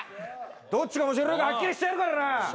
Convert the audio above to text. どっちが面白いかはっきりしてやるからな。